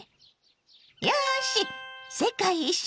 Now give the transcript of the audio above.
よし世界一周